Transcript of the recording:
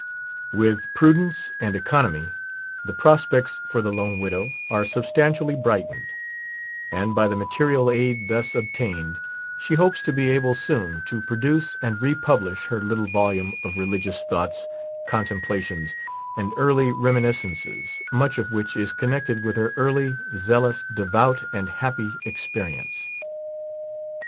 With prudence and econom}^ the pros pects for the " lone widow " are substantiallj^ brightened ; and b}" the material aid thus obtained she hopes to be able soon to produce and republish her little volume of religious thoughts, contemplations, and earl}' reminis cences, much of which is connected with her earl3% zeal ous, devout, and happy experience.